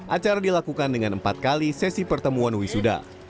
acara dilakukan dengan empat kali sesi pertemuan wisuda